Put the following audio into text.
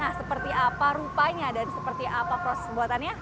nah seperti apa rupanya dan seperti apa proses pembuatannya